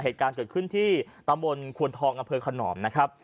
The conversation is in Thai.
เหตุการณ์เกิดขึ้นที่ตำบลควนทองอำเภอขนอมนะครับ